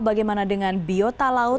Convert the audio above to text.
bagaimana dengan biotalau